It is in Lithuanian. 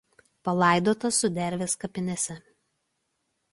Palaidotas Sudervės kapinėse.